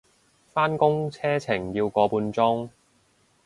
返工車程要個半鐘